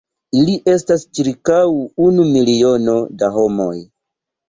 Ili estas ĉirkaŭ unu miliono da homoj.